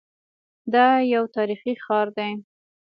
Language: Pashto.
دا یو تاریخي ښار دی.